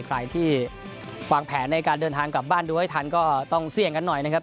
ใครที่วางแผนในการเดินทางกลับบ้านดูให้ทันก็ต้องเสี่ยงกันหน่อยนะครับ